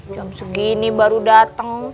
jam segini baru dateng